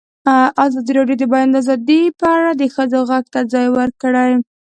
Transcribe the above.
ازادي راډیو د د بیان آزادي په اړه د ښځو غږ ته ځای ورکړی.